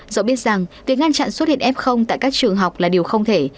dẫu biết rằng việc ngăn chặn xuất hiện f tại các trường học là điều không thể